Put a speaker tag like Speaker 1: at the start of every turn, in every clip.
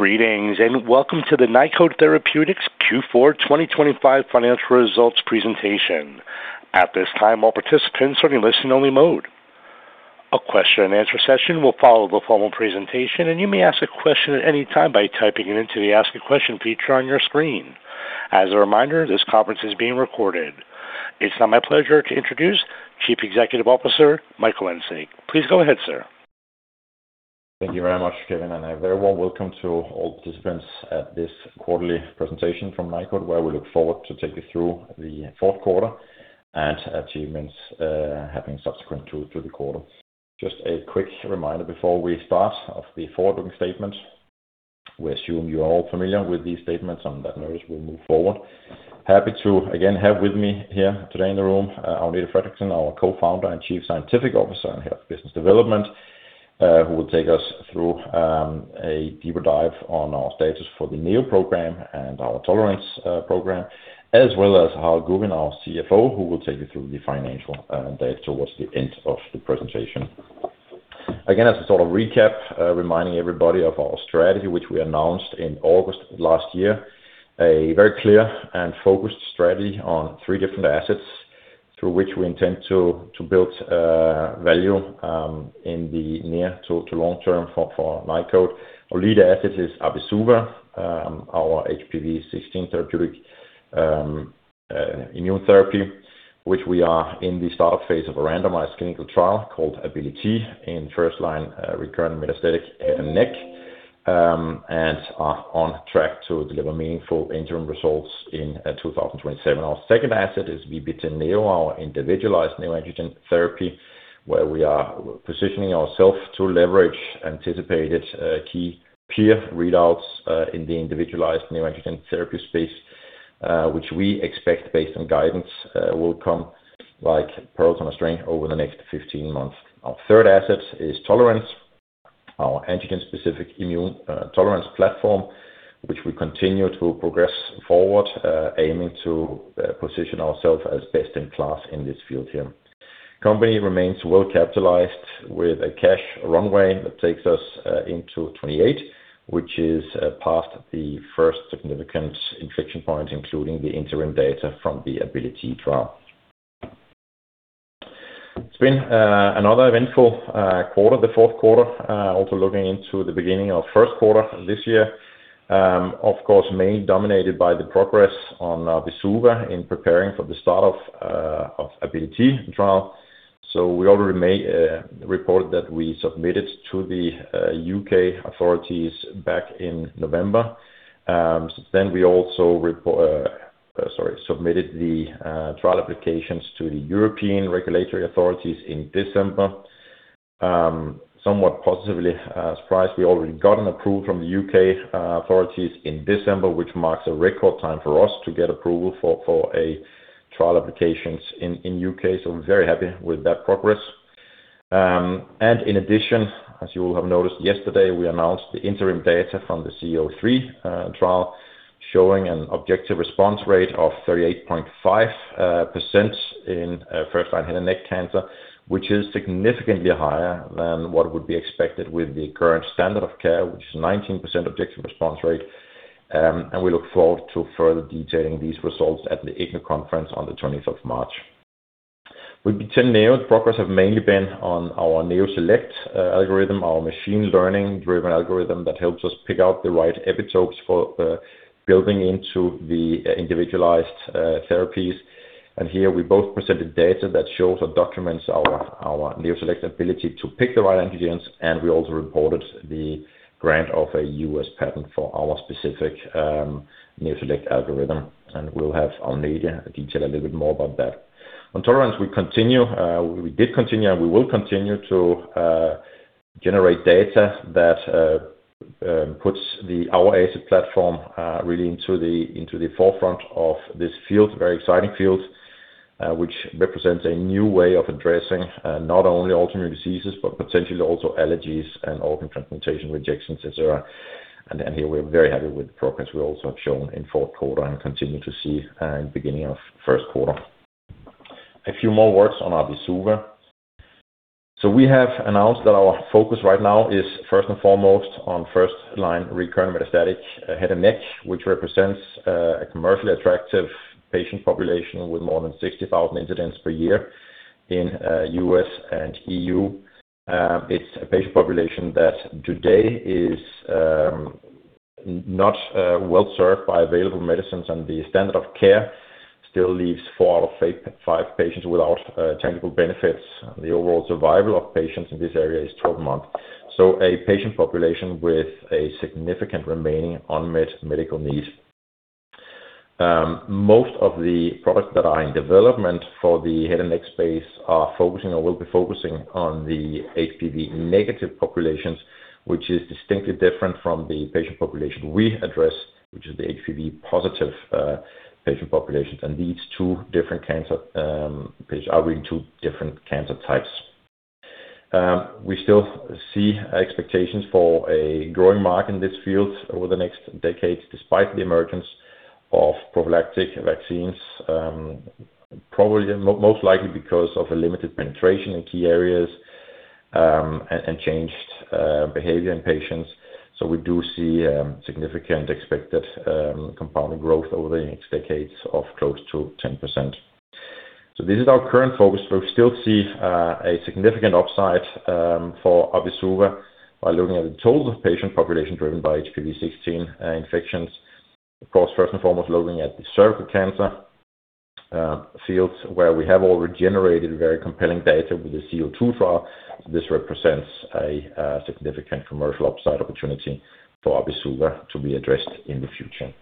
Speaker 1: Greetings, and welcome to the Nykode Therapeutics Q4 2025 financial results presentation. At this time, all participants are in listen-only mode. A question and answer session will follow the formal presentation, and you may ask a question at any time by typing it into the Ask a Question feature on your screen. As a reminder, this conference is being recorded. It's now my pleasure to introduce Chief Executive Officer, Michael Engsig. Please go ahead, sir.
Speaker 2: Thank you very much, Kevin, a very warm welcome to all participants at this quarterly presentation from Nico, where we look forward to take you through the fourth quarter and achievements happening subsequent to the quarter. Just a quick reminder before we start, of the forward-looking statements. We assume you are all familiar with these statements, on that note, we'll move forward. Happy to again have with me here today in the room, Agnete Fredriksen, our co-founder and Chief Scientific Officer & Business Development, who will take us through a deeper dive on our status for the Neo program and our Tolerance program, as well as Harald Gurvin, our CFO, who will take you through the financial data towards the end of the presentation. Again, as a sort of recap, reminding everybody of our strategy, which we announced in August of last year, a very clear and focused strategy on three different assets through which we intend to build value in the near to long term for Nykode. Our lead asset is abisuvva, our HPV-16 therapeutic immune therapy, which we are in the start-up phase of a randomized clinical trial called Abili-T in first line recurrent metastatic head and neck, and are on track to deliver meaningful interim results in 2027. Our second asset is VB10.NEO, our individualized neoantigen therapy, where we are positioning ourselves to leverage anticipated key peer readouts in the individualized neoantigen therapy space, which we expect based on guidance, will come like pearls on a string over the next 15 months. Our third asset is Tolerance, our antigen-specific immune tolerance platform, which we continue to progress forward, aiming to position ourselves as best in class in this field here. Company remains well capitalized with a cash runway that takes us into 2028, which is past the first significant inflection point, including the interim data from the Abili-T trial. It's been another eventful quarter, the fourth quarter, also looking into the beginning of first quarter this year. Of course, mainly dominated by the progress on abisuvva in preparing for the start of Abili-T trial. We already may report that we submitted to the U.K. authorities back in November. Since then, we also report, sorry, submitted the trial applications to the European regulatory authorities in December. Somewhat positively surprised, we already got an approval from the U.K. authorities in December, which marks a record time for us to get approval for a trial applications in U.K., so we're very happy with that progress. In addition, as you will have noticed, yesterday, we announced the interim data from the CO3 trial, showing an objective response rate of 38.5% in first-line head and neck cancer, which is significantly higher than what would be expected with the current standard of care, which is 19% objective response rate. We look forward to further detailing these results at the IGNO conference on the 20th of March. With VB10.NEO, the progress have mainly been on our NeoSELECT algorithm, our machine learning-driven algorithm, that helps us pick out the right epitopes for building into the individualized therapies. Here we both presented data that shows or documents our NeoSELECT ability to pick the right antigens, and we also reported the grant of a U.S. patent for our specific NeoSELECT algorithm, and we'll have Agnete detail a little bit more about that. On Tolerance, we continue, we did continue, and we will continue to generate data that puts the ASIT platform really into the forefront of this field, very exciting field, which represents a new way of addressing not only autoimmune diseases, but potentially also allergies and organ transplantation rejections, et cetera. Here we're very happy with the progress we also have shown in fourth quarter and continue to see in the beginning of first quarter. A few more words on abisuvva. We have announced that our focus right now is first and foremost on first-line recurrent metastatic head and neck, which represents a commercially attractive patient population with more than 60,000 incidents per year in US and EU. It's a patient population that today is not well served by available medicines, and the standard of care still leaves 4 out of 5 patients without technical benefits. The overall survival of patients in this area is 12 months. A patient population with a significant remaining unmet medical need. Most of the products that are in development for the head and neck space are focusing or will be focusing on the HPV-negative populations, which is distinctly different from the patient population we address, which is the HPV-positive patient populations, and these two different cancer are really two different cancer types. We still see expectations for a growing market in this field over the next decade, despite the emergence of prophylactic vaccines, probably most likely because of a limited penetration in key areas, and changed behavior in patients. We do see significant expected compound growth over the next decades of close to 10%. This is our current focus. We still see a significant upside for abisuvva by looking at the total patient population driven by HPV-16 infections. Of course, first and foremost, looking at the cervical cancer fields where we have already generated very compelling data with the CO2 trial. This represents a significant commercial upside opportunity for abisuvva to be addressed in the future.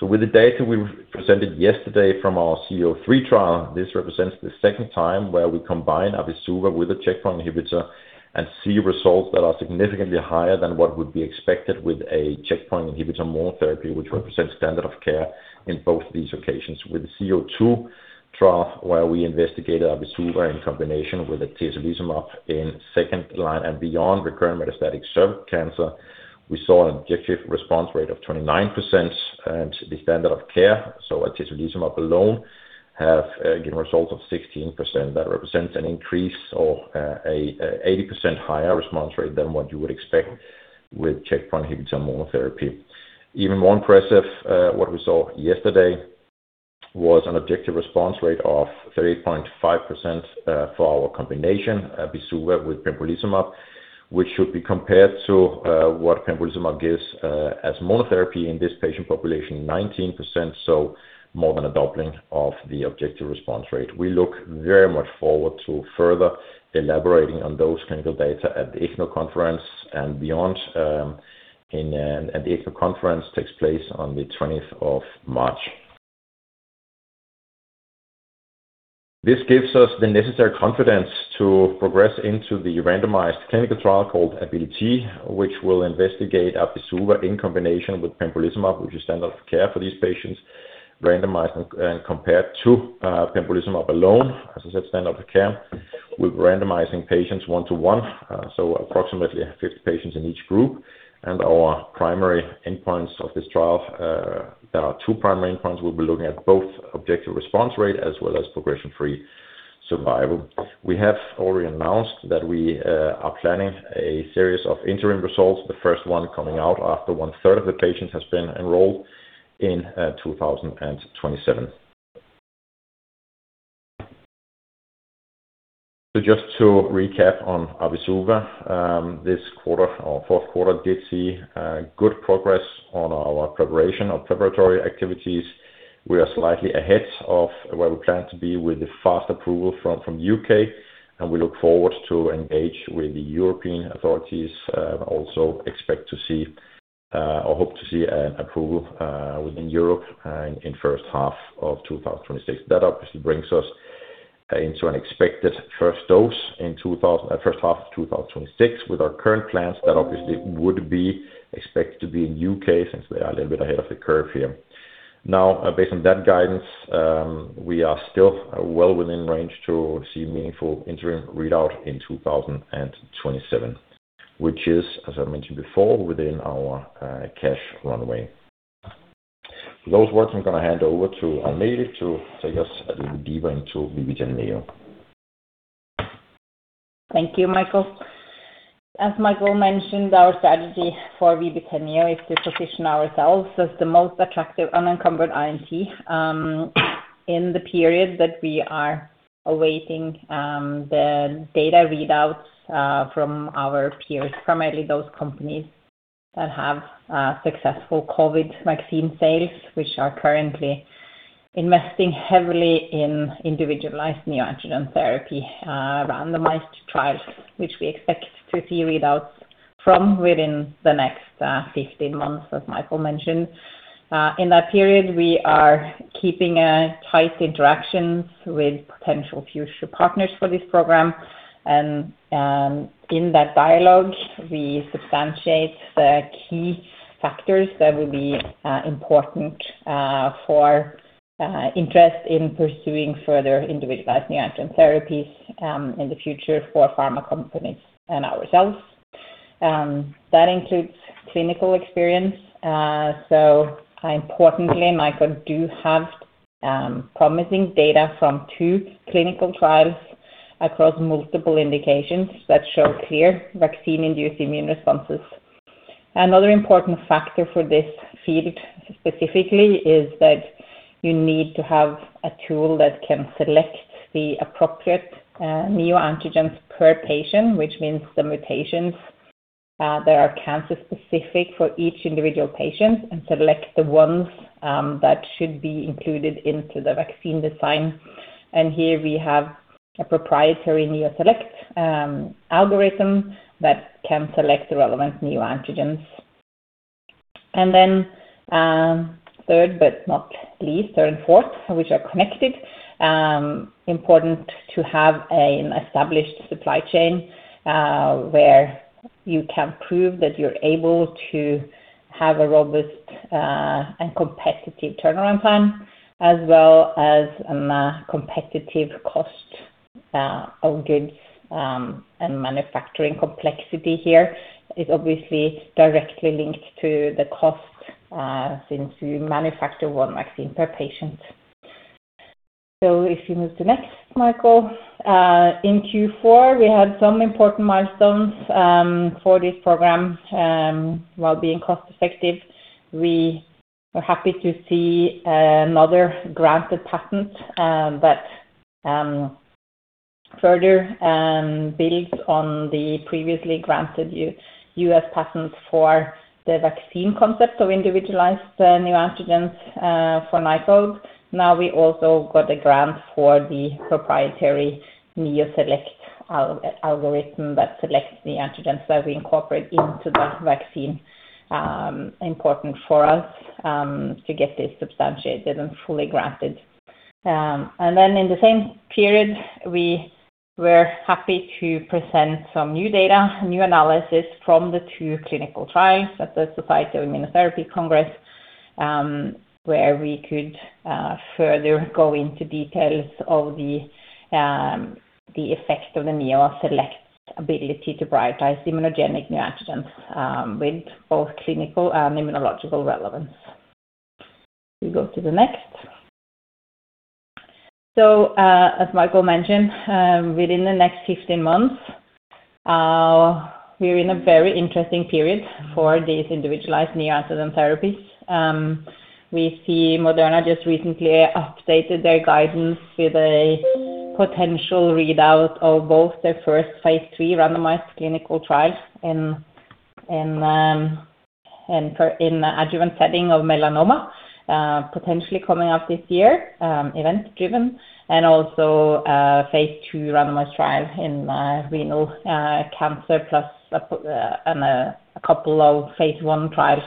Speaker 2: With the data we presented yesterday from our CO3 trial, this represents the second time where we combine abisuvva with a checkpoint inhibitor and see results that are significantly higher than what would be expected with a checkpoint inhibitor monotherapy, which represents standard of care in both these occasions. With the CO2 trial, where we investigated abisuvva in combination with a atezolizumab in second line and beyond recurrent metastatic cervical cancer, we saw an objective response rate of 29% and the standard of care. Atezolizumab alone have given results of 16%. That represents an increase or a 80% higher response rate than what you would expect with checkpoint inhibitor monotherapy. Even more impressive, what we saw yesterday was an objective response rate of 30.5% for our combination, abisuvva with pembrolizumab, which should be compared to what pembrolizumab gives as monotherapy in this patient population, 19%, so more than a doubling of the objective response rate. We look very much forward to further elaborating on those clinical data at the ASCO conference and beyond. The ASCO conference takes place on the 20th of March. This gives us the necessary confidence to progress into the randomized clinical trial called Abili-T, which will investigate abisuvva in combination with pembrolizumab, which is standard of care for these patients, randomized and compared to pembrolizumab alone, as I said, standard of care, with randomizing patients one to one, so approximately 50 patients in each group. Our primary endpoints of this trial, there are two primary endpoints. We'll be looking at both objective response rate as well as progression-free survival. We have already announced that we are planning a series of interim results, the first one coming out after one-third of the patients has been enrolled in 2027. Just to recap on abisuvva, this quarter, our fourth quarter did see good progress on our preparation of preparatory activities. We are slightly ahead of where we plan to be with the fast approval from U.K., and we look forward to engage with the European authorities, also expect to see or hope to see an approval within Europe in first half of 2026. That obviously brings us into an expected first dose in 2026. With our current plans, that obviously would be expected to be in U.K., since we are a little bit ahead of the curve here. Now, based on that guidance, we are still well within range to see meaningful interim readout in 2027, which is, as I mentioned before, within our cash runway. With those words, I'm going to hand over to Agnete to take us a little bit deeper into VB10.NEO.
Speaker 3: Thank you, Michael. As Michael mentioned, our strategy for VB10.NEO is to position ourselves as the most attractive unencumbered IMT. In the period that we are awaiting, the data readouts from our peers, primarily those companies that have successful COVID vaccine sales, which are currently investing heavily in individualized neoantigen therapy, randomized trials, which we expect to see readouts from within the next 15 months, as Michael mentioned. In that period, we are keeping a tight interactions with potential future partners for this program. In that dialogue, we substantiate the key factors that will be important for interest in pursuing further individualized neoantigen therapies in the future for pharma companies and ourselves. That includes clinical experience. Importantly, Nykode, do have promising data from 2 clinical trials across multiple indications that show clear vaccine-induced immune responses. Another important factor for this field, specifically, is that you need to have a tool that can select the appropriate neoantigens per patient, which means the mutations. There are cancer-specific for each individual patient and select the ones that should be included into the vaccine design. Here we have a proprietary NeoSELECT algorithm that can select the relevant neoantigens. Then, third but not least, third and fourth, which are connected, important to have an established supply chain, where you can prove that you're able to have a robust and competitive turnaround time, as well as a competitive cost structure. Our goods, and manufacturing complexity here is obviously directly linked to the cost, since we manufacture one vaccine per patient. If you move to next, Michael. In Q4, we had some important milestones for this program, while being cost-effective. We are happy to see another granted patent, further build on the previously granted U.S. patent for the vaccine concept of individualized neoantigens for Nykode. We also got a grant for the proprietary NeoSELECT algorithm that selects the antigens that we incorporate into the vaccine. Important for us to get this substantiated and fully granted. In the same period, we were happy to present some new data, new analysis from the 2 clinical trials at the Society for Immunotherapy of Cancer, where we could further go into details of the effects of the NeoSELECT ability to prioritize immunogenic neoantigens with both clinical and immunological relevance. We go to the next. As Michael mentioned, within the next 15 months, we're in a very interesting period for these individualized neoantigen therapies. We see Moderna just recently updated their guidance with a potential readout of both their first phase III randomized clinical trial in adjuvant setting of melanoma, potentially coming out this year, event-driven, and also a phase II randomized trial in renal cancer, plus a couple of phase I trials.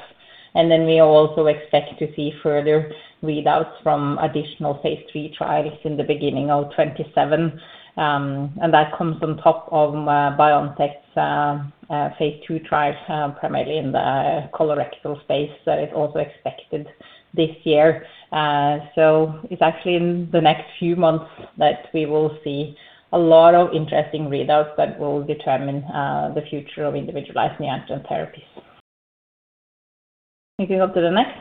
Speaker 3: Then we also expect to see further readouts from additional phase III trials in the beginning of 2027. That comes on top of BioNTech's phase II trials, primarily in the colorectal space. That is also expected this year. It's actually in the next few months that we will see a lot of interesting readouts that will determine the future of individualized neoantigen therapies. If you go to the next.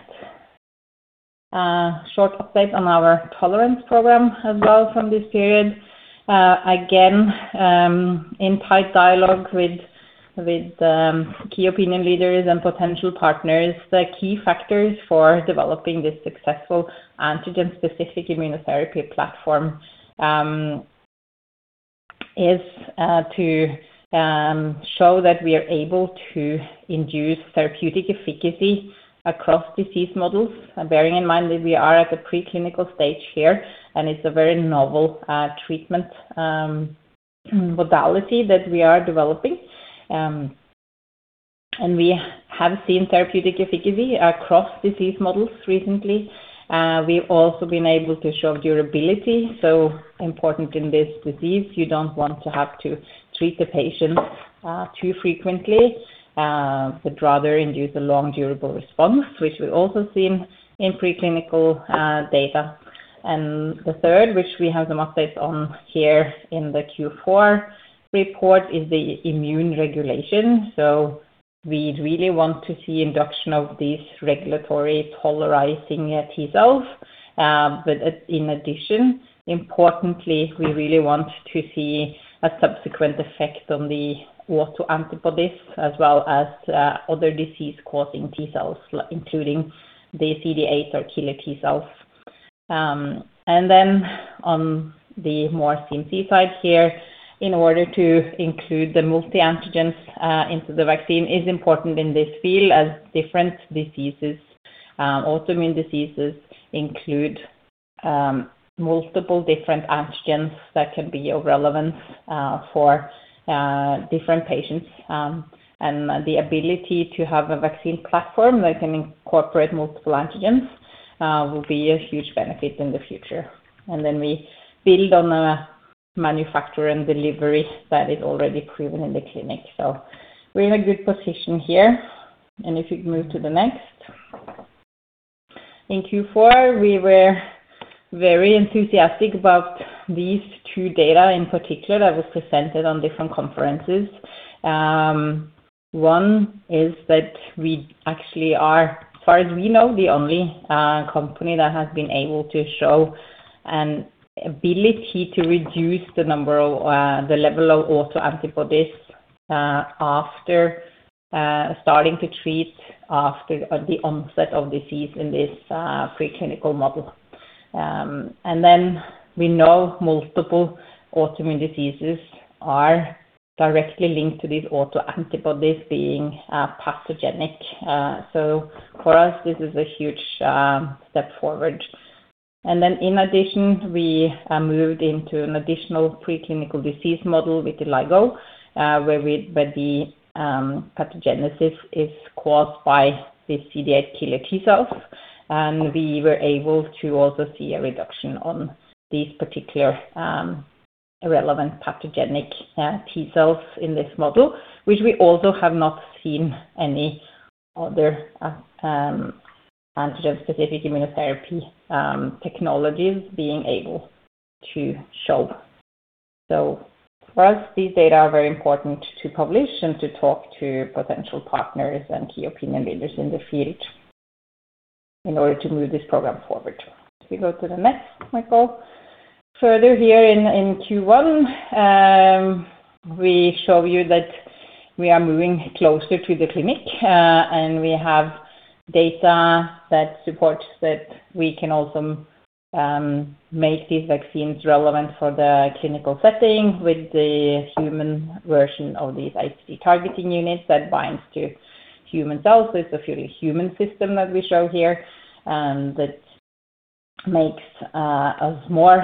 Speaker 3: Short update on our Tolerance program as well from this period. Again, in tight dialogue with key opinion leaders and potential partners, the key factors for developing this successful antigen-specific immunotherapy platform is to show that we are able to induce therapeutic efficacy across disease models. Bearing in mind that we are at the preclinical stage here, it's a very novel treatment modality that we are developing. We have seen therapeutic efficacy across disease models recently. We've also been able to show durability, so important in this disease. You don't want to have to treat the patient too frequently, but rather induce a long durable response, which we also seen in preclinical data. The third, which we have some updates on here in the Q4 report, is the immune regulation. We really want to see induction of these regulatory polarizing T cells. In addition, importantly, we really want to see a subsequent effect on the autoantibodies, as well as other disease-causing T cells, including the CD8 or killer T cells. On the more CMC side here, in order to include the multi-antigens into the vaccine, is important in this field as different diseases, autoimmune diseases include multiple different antigens that can be of relevance for different patients. The ability to have a vaccine platform that can incorporate multiple antigens will be a huge benefit in the future. We build on a manufacture and delivery that is already proven in the clinic. We're in a good position here, and if you move to the next. In Q4, we were very enthusiastic about these two data in particular that was presented on different conferences. One is that we actually are, as far as we know, the only company that has been able to show an ability to reduce the number of, the level of autoantibodies, after starting to treat after the onset of disease in this preclinical model. We know multiple autoimmune diseases are directly linked to these autoantibodies being pathogenic. For us, this is a huge step forward. In addition, we moved into an additional preclinical disease model with the vitiligo, where the pathogenesis is caused by the CD8 killer T cells, and we were able to also see a reduction on these particular, irrelevant pathogenic, T cells in this model, which we also have not seen any other antigen-specific immunotherapy technologies being able to show. For us, these data are very important to publish and to talk to potential partners and key opinion leaders in the field in order to move this program forward. If you go to the next, Michael. Further here in Q1, we show you that we are moving closer to the clinic, and we have data that supports that we can also make these vaccines relevant for the clinical setting with the human version of these APC targeting units that binds to human cells. It's a fully human system that we show here that makes us more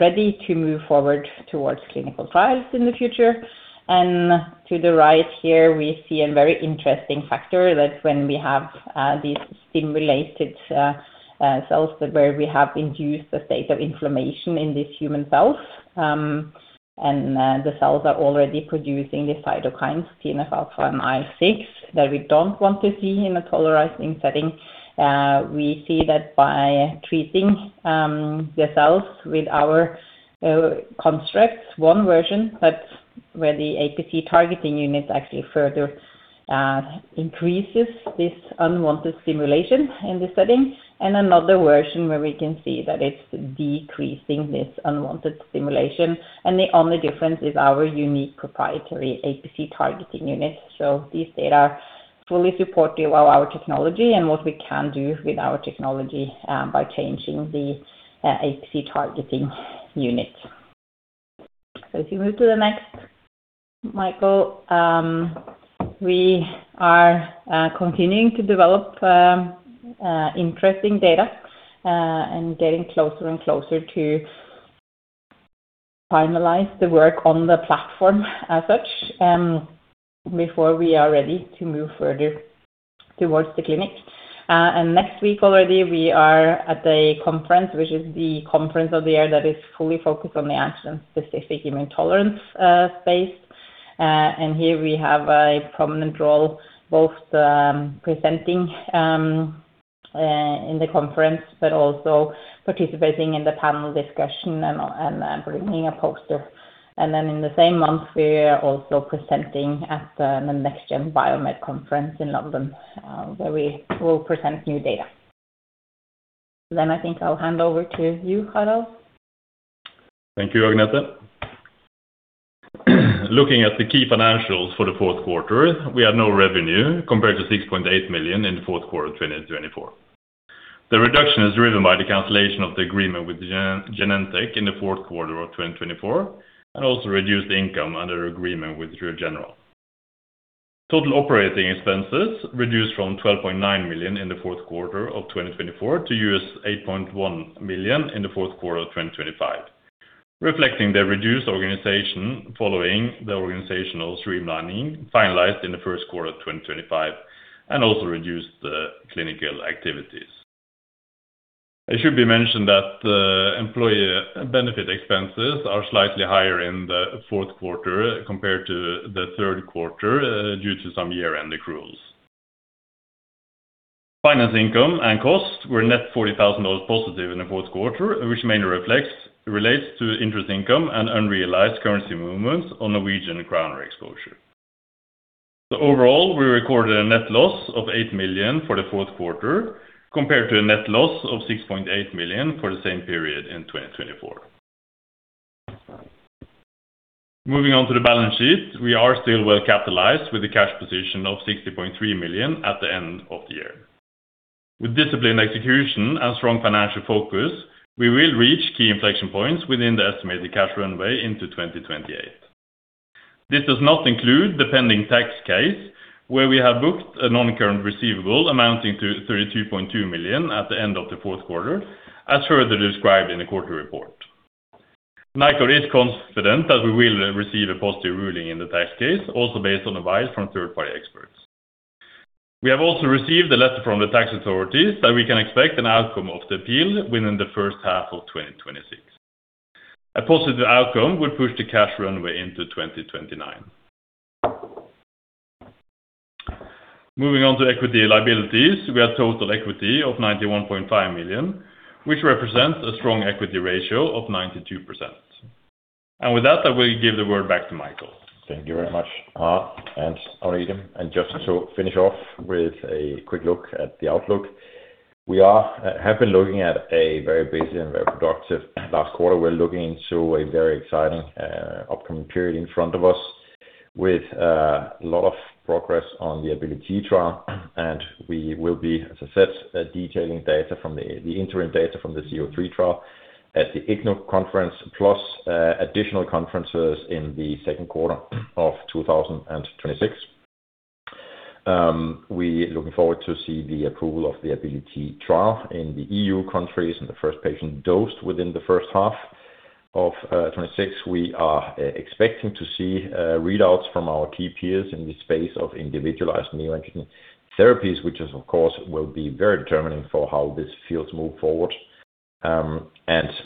Speaker 3: ready to move forward towards clinical trials in the future. To the right here, we see a very interesting factor, that when we have these stimulated cells, but where we have induced a state of inflammation in this human cells, and the cells are already producing the cytokines, TNF-alpha and IL-6, that we don't want to see in a tolerizing setting. We see that by treating the cells with our constructs, one version, that's where the APC targeting units actually further increases this unwanted stimulation in the setting, and another version where we can see that it's decreasing this unwanted stimulation, and the only difference is our unique proprietary APC targeting unit. These data fully support you our technology and what we can do with our technology, by changing the APC targeting unit. If you move to the next, Michael, we are continuing to develop interesting data and getting closer and closer to finalize the work on the platform as such, before we are ready to move further towards the clinic. Next week already, we are at a conference, which is the conference of the year, that is fully focused on the antigen-specific immune tolerance space. Here we have a prominent role, both presenting in the conference, but also participating in the panel discussion and bringing a poster. In the same month, we are also presenting at the NextGen Biomed Conference in London, where we will present new data. I think I'll hand over to you, Harald.
Speaker 4: Thank you, Agnete. Looking at the key financials for the fourth quarter, we had no revenue compared to $6.8 million in the fourth quarter of 2024. The reduction is driven by the cancellation of the agreement with Genentech in the fourth quarter of 2024, and also reduced income under agreement with Genentech. Total operating expenses reduced from $12.9 million in the fourth quarter of 2024 to $8.1 million in the fourth quarter of 2025, reflecting the reduced organization following the organizational streamlining, finalized in the first quarter of 2025, and also reduced the clinical activities. It should be mentioned that the employee benefit expenses are slightly higher in the fourth quarter compared to the third quarter due to some year-end accruals. Finance income and costs were net $40,000 positive in the fourth quarter, which mainly reflects, relates to interest income and unrealized currency movements on Norwegian crown exposure. Overall, we recorded a net loss of $8 million for the fourth quarter, compared to a net loss of $6.8 million for the same period in 2024. Moving on to the balance sheet, we are still well capitalized with a cash position of $60.3 million at the end of the year. With disciplined execution and strong financial focus, we will reach key inflection points within the estimated cash runway into 2028. This does not include the pending tax case, where we have booked a non-current receivable amounting to $32.2 million at the end of the fourth quarter, as further described in the quarter report. Michael is confident that we will receive a positive ruling in the tax case, also based on advice from third-party experts. We have also received a letter from the tax authorities that we can expect an outcome of the appeal within the first half of 2026. A positive outcome will push the cash runway into 2029. Moving on to equity liabilities, we have total equity of 91.5 million, which represents a strong equity ratio of 92%. With that, I will give the word back to Michael.
Speaker 2: Thank you very much, Harald and Agnete, and just to finish off with a quick look at the outlook. We have been looking at a very busy and very productive last quarter. We're looking into a very exciting upcoming period in front of us, with a lot of progress on the Abili-T trial, and we will be, as I said, detailing data from the interim data from the CO3 trial at the IGNOU conference, plus additional conferences in the second quarter of 2026. We looking forward to see the approval of the Abili-T trial in the EU countries, and the first patient dosed within the first half of 2026. We are expecting to see readouts from our key peers in the space of individualized neoantigen therapies, which is, of course, will be very determining for how this fields move forward.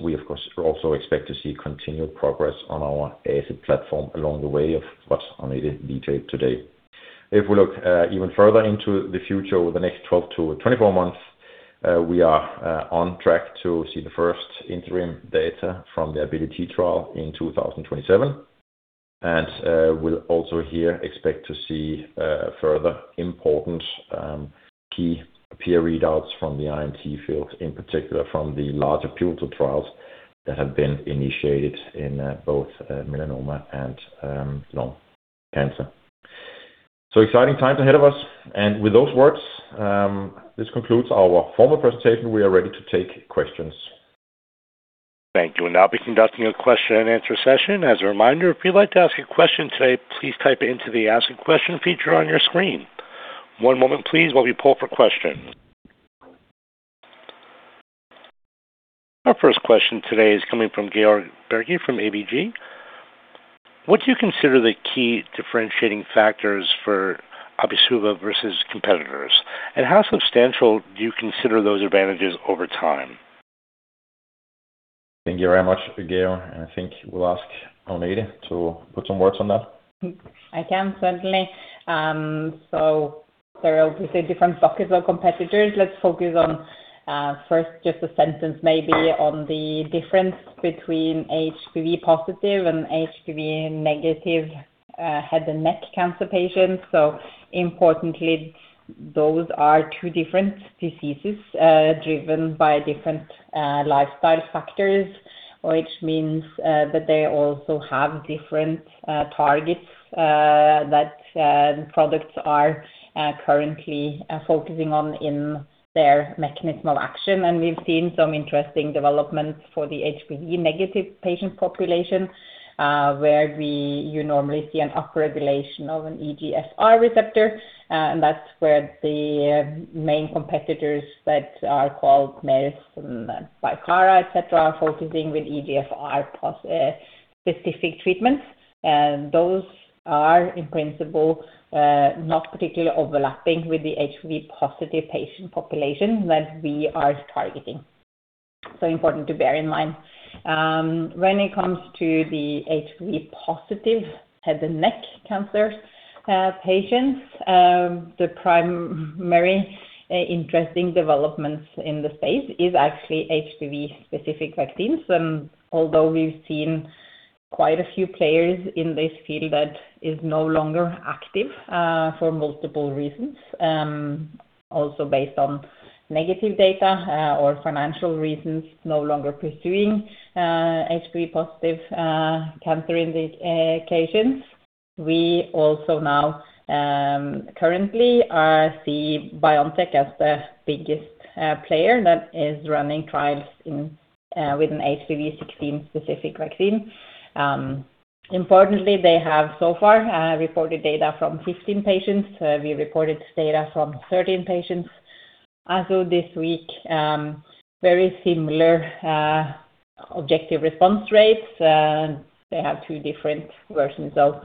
Speaker 2: We of course, also expect to see continued progress on our ASIT platform along the way of what Agnete detailed today. If we look even further into the future, over the next 12-24 months, we are on track to see the first interim data from the Abili-T trial in 2027. We'll also here expect to see further important key peer readouts from the IMT field, in particular from the larger cell therapy trials that have been initiated in both melanoma and lung cancer. Exciting times ahead of us. With those words, this concludes our formal presentation. We are ready to take questions.
Speaker 1: Thank you. We'll now be conducting a question and answer session. As a reminder, if you'd like to ask a question today, please type into the Ask a Question feature on your screen. One moment please, while we pull for question. Our first question today is coming from Geir Hiller Holom, from ABG. What do you consider the key differentiating factors for abisuvva versus competitors, and how substantial do you consider those advantages over time?
Speaker 2: Thank you very much, Georg, and I think we'll ask Agnete to put some words on that.
Speaker 3: I can, certainly. There are obviously different buckets of competitors. Let's focus on, first, just a sentence, maybe on the difference between HPV positive and HPV negative, head and neck cancer patients. Importantly, those are two different diseases, driven by different lifestyle factors, which means, that they also have different targets, that products are currently focusing on in their mechanism of action. We've seen some interesting developments for the HPV negative patient population, where you normally see an upregulation of an EGFR receptor, and that's where the main competitors that are called NERS and Bicara, et cetera, are focusing with EGFR pos, specific treatments. Those are, in principle, not particularly overlapping with the HPV positive patient population that we are targeting. Important to bear in mind. When it comes to the HPV-positive head and neck cancer patients, the primary interesting developments in the space is actually HPV-specific vaccines. Although we've seen quite a few players in this field that is no longer active for multiple reasons, also based on negative data or financial reasons, no longer pursuing HPV-positive cancer in these occasions. We also now currently see BioNTech as the biggest player that is running trials with an HPV-16 specific vaccine. Importantly, they have so far reported data from 15 patients. We reported data from 13 patients as of this week, very similar objective response rates. They have two different versions of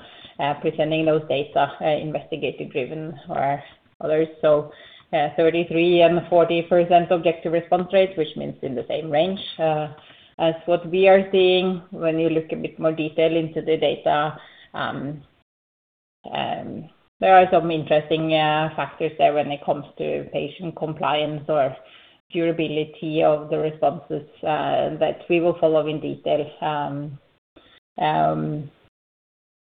Speaker 3: presenting those data, investigative driven or others. 33% and 40% objective response rate, which means in the same range as what we are seeing. When you look a bit more detail into the data, there are some interesting factors there when it comes to patient compliance or durability of the responses that we will follow in detail.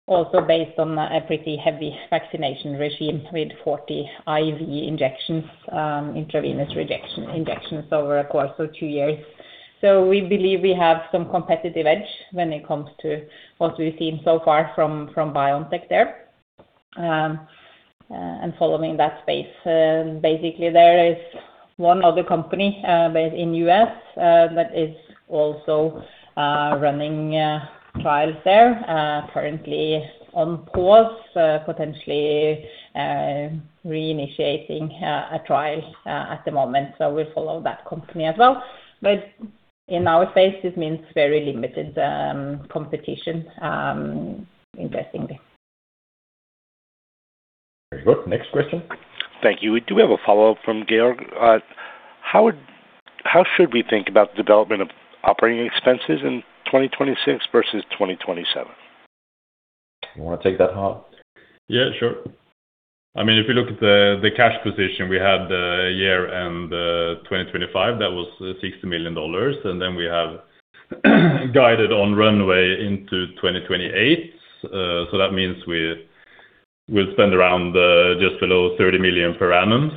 Speaker 3: Also based on a pretty heavy vaccination regime with 40 IV injections, intravenous injections over a course of 2 years. We believe we have some competitive edge when it comes to what we've seen so far from BioNTech there and following that space. Basically, there is 1 other company based in U.S. that is also running trials there currently on pause, potentially reinitiating a trial at the moment. we follow that company as well. In our space, this means very limited, competition, interestingly.
Speaker 2: Very good. Next question.
Speaker 1: Thank you. We do have a follow-up from Georg. How should we think about the development of operating expenses in 2026 versus 2027?
Speaker 2: You want to take that, Harald?
Speaker 4: Yeah, sure. I mean, if you look at the cash position, we had the year and 2025, that was $60 million. We have guided on runway into 2028. That means we'll spend around just below $30 million per annum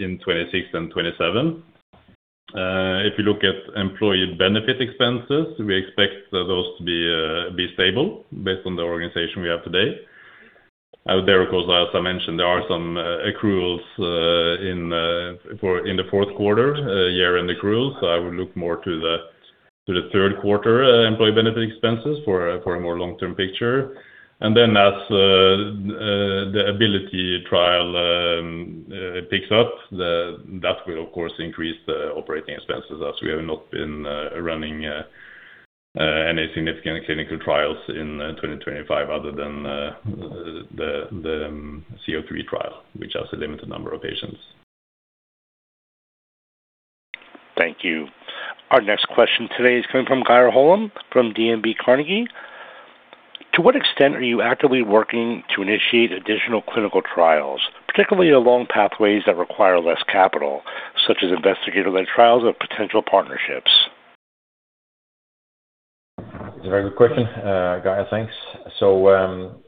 Speaker 4: in 2026 and 2027. If you look at employee benefit expenses, we expect those to be stable based on the organization we have today. There, of course, as I mentioned, there are some accruals in the fourth quarter, year-end accruals. I would look more to the third quarter employee benefit expenses for a more long-term picture. As the Abili-T trial picks up, that will, of course, increase the operating expenses as we have not been running any significant clinical trials in 2025 other than the CO3 trial, which has a limited number of patients.
Speaker 1: Thank you. Our next question today is coming from Kaia Holum from DNB Carnegie. To what extent are you actively working to initiate additional clinical trials, particularly along pathways that require less capital, such as investigator-led trials or potential partnerships?
Speaker 2: It's a very good question, Kaia, thanks.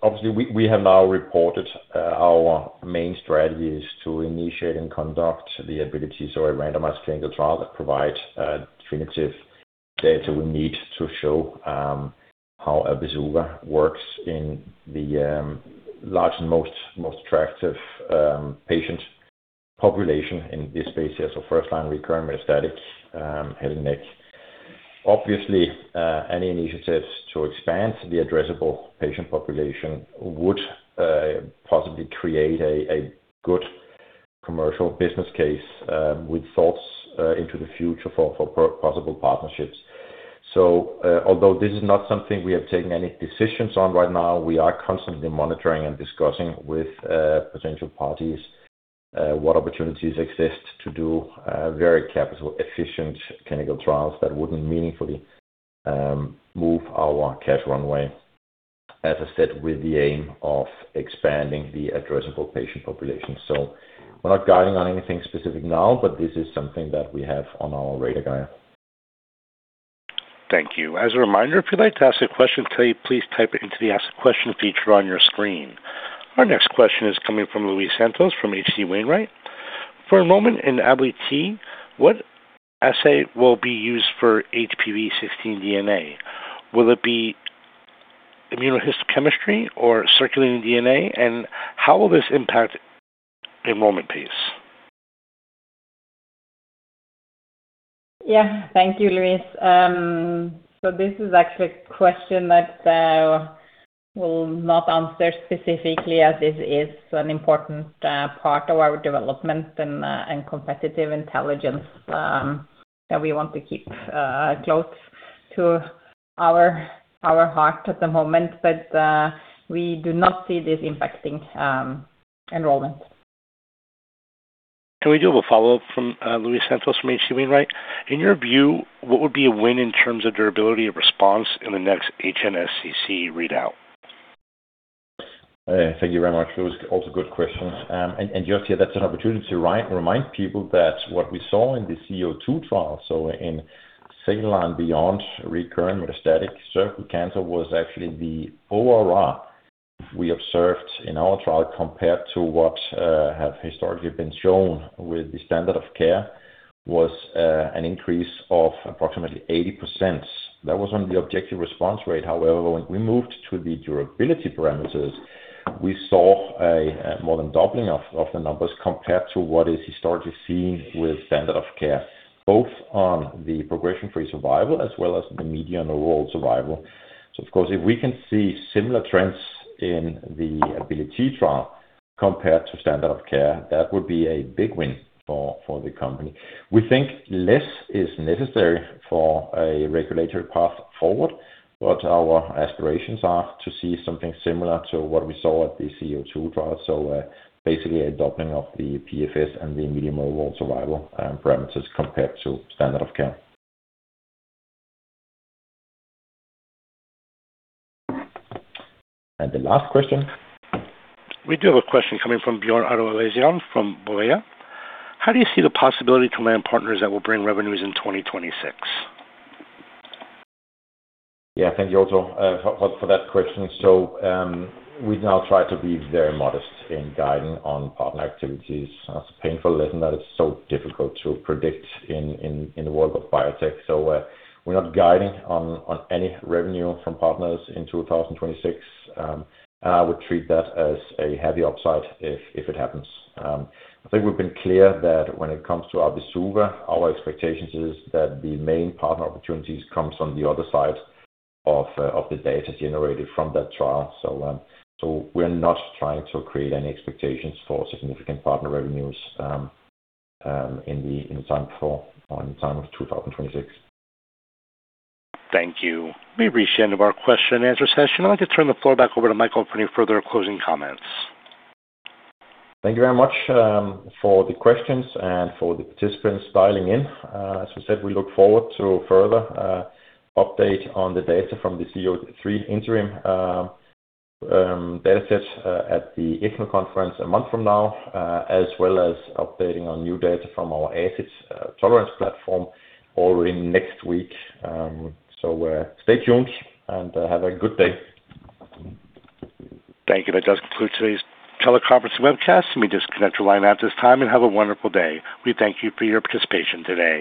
Speaker 2: Obviously, we have now reported, our main strategy is to initiate and conduct the Abili-T. A randomized clinical trial that provides definitive data we need to show how abisuvva works in the large and most attractive patient population in this space here. First-line recurrent metastatic head and neck. Obviously, any initiatives to expand the addressable patient population would possibly create a good commercial business case with thoughts into the future for possible partnerships. Although this is not something we have taken any decisions on right now, we are constantly monitoring and discussing with potential parties, what opportunities exist to do very capital efficient clinical trials that wouldn't meaningfully move our cash runway, as I said, with the aim of expanding the addressable patient population. We're not guiding on anything specific now, but this is something that we have on our radar, Kaia.
Speaker 1: Thank you. As a reminder, if you'd like to ask a question today, please type it into the ask a question feature on your screen. Our next question is coming from Luis Santos from H.C. Wainwright. For a moment in Abili-T, what assay will be used for HPV 16 DNA? Will it be immunohistochemistry or circulating DNA? How will this impact enrollment pace?
Speaker 3: Yeah. Thank you, Luis. This is actually a question that we'll not answer specifically, as this is an important part of our development and competitive intelligence that we want to keep close to our heart at the moment. We do not see this impacting enrollment.
Speaker 1: Can we do a follow-up from Luis Santos from H.C. Wainwright? In your view, what would be a win in terms of durability of response in the next HNSCC readout?
Speaker 2: Thank you very much. Those all good questions. Just here, that's an opportunity to remind people that what we saw in the CO2 trial, so in second line beyond recurrent metastatic cervical cancer, was actually the ORR we observed in our trial compared to what have historically been shown with the standard of care, was an increase of approximately 80%. That was on the objective response rate. However, when we moved to the durability parameters, we saw a more than doubling of the numbers compared to what is historically seen with standard of care, both on the progression-free survival as well as the median overall survival. Of course, if we can see similar trends in the Abili-T trial compared to standard of care, that would be a big win for the company. We think less is necessary for a regulatory path forward, but our aspirations are to see something similar to what we saw at the CO2 trial. Basically a doubling of the PFS and the medium overall survival, parameters compared to standard of care. The last question?
Speaker 1: We do have a question coming from Bjorn Otto Lesion from Bolea. How do you see the possibility to land partners that will bring revenues in 2026?
Speaker 2: Yeah. Thank you also for that question. We now try to be very modest in guiding on partner activities. That's a painful lesson that it's so difficult to predict in the world of biotech. We're not guiding on any revenue from partners in 2026. I would treat that as a heavy upside if it happens. I think we've been clear that when it comes to abi-suva, our expectations is that the main partner opportunities comes from the other side of the data generated from that trial. We're not trying to create any expectations for significant partner revenues on the time of 2026.
Speaker 1: Thank you. We've reached the end of our question and answer session. I'd like to turn the floor back over to Michael for any further closing comments.
Speaker 2: Thank you very much for the questions and for the participants dialing in. As we said, we look forward to further update on the data from the CO3 interim dataset at the ESMO conference a month from now, as well as updating on new data from our ASIT Tolerance platform already next week. Stay tuned and have a good day.
Speaker 1: Thank you. That does conclude today's teleconference webcast. You may disconnect your line at this time and have a wonderful day. We thank you for your participation today.